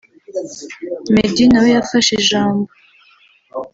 Meddy nawe yafashe ijambo